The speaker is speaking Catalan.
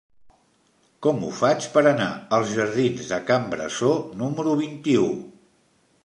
Com ho faig per anar als jardins de Can Brasó número vint-i-u?